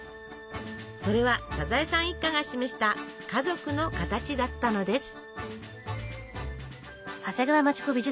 それはサザエさん一家が示した家族の形だったのです。